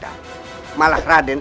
hanya tanpa bandar bandar batu